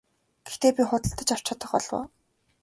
Гэхдээ би худалдаж авч чадах болов уу?